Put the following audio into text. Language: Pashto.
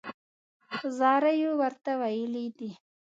په زاریو یې ورته ویلي دي.